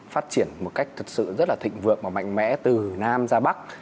phát triển một cách thật sự rất là thịnh vượng và mạnh mẽ từ nam ra bắc